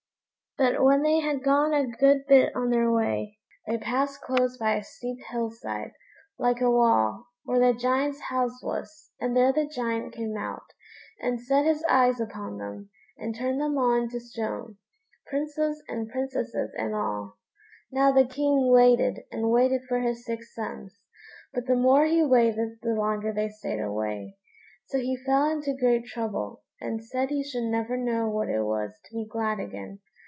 ] But when they had gone a good bit on their way, they passed close by a steep hill side, like a wall, where the Giant's house was, and there the Giant came out, and set his eyes upon them, and turned them all into stone, princes and princesses and all. Now the King waited and waited for his six sons, but the more he waited, the longer they stayed away; so he fell into great trouble, and said he should never know what it was to be glad again.